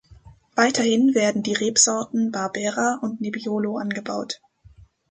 Weiterhin werden die Rebsorten Barbera und Nebbiolo angebaut.